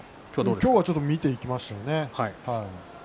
今日はちょっと見ていきましたね。